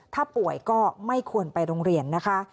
ถ้าป่วยก็ไม่ควรไปโรงเรียนนะคะ